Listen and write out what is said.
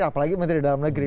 apalagi menteri dalam negeri